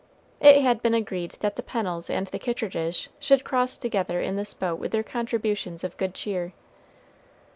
It had been agreed that the Pennels and the Kittridges should cross together in this boat with their contributions of good cheer.